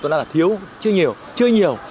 nó là thiếu chưa nhiều chưa nhiều